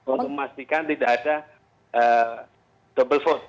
untuk memastikan tidak ada double vote